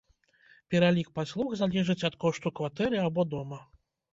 Пералік паслуг залежыць ад кошту кватэры або дома.